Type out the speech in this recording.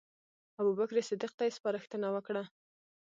ابوبکر صدیق ته یې سپارښتنه وکړه.